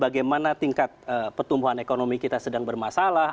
bagaimana tingkat pertumbuhan ekonomi kita sedang bermasalah